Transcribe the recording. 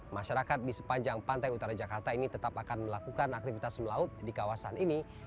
masyarakat di sepanjang pantai utara jakarta ini tetap akan melakukan aktivitas melaut di kawasan ini